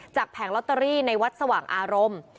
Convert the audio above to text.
แผงลอตเตอรี่ในวัดสว่างอารมณ์